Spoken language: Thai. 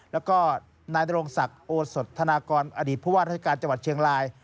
แล้วก็นายนโรงศักดิ์โอสดธนากรอดีตผู้ว่าราชการจังหวัดเชียงราย